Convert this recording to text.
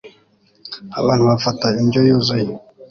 abantu bafata indyo yuzuye